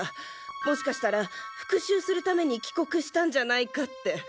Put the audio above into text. もしかしたら復讐するために帰国したんじゃないかって。